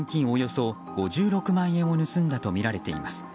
およそ５６万円を盗んだとみられています。